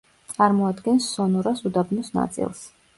წარმოადგენს სონორას უდაბნოს ნაწილს.